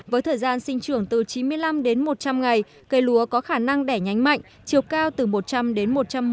với thời gian sinh trưởng từ chín mươi năm đến một trăm linh ngày cây lúa có khả năng đẻ nhánh mạnh chiều cao từ một trăm linh đến một trăm một mươi